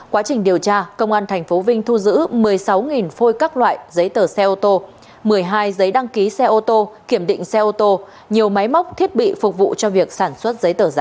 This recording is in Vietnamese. quá trình điều tra công an tp vinh thu giữ một mươi sáu phôi các loại giấy tờ xe ô tô một mươi hai giấy đăng ký xe ô tô kiểm định xe ô tô nhiều máy móc thiết bị phục vụ cho việc sản xuất giấy tờ giả